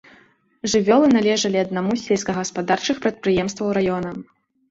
Жывёлы належалі аднаму з сельскагаспадарчых прадпрыемстваў раёна.